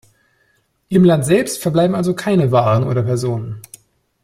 Im Land selbst verbleiben also keine Waren oder Personen.